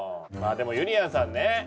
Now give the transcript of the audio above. まあでもゆりやんさんね。